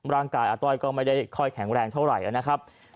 ร่างกายอาต้อยก็ไม่ได้ค่อยแข็งแรงเท่าไหร่นะครับ